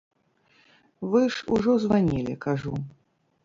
Вы ж ужо званілі, кажу.